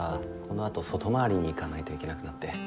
この後外回りに行かないといけなくなって。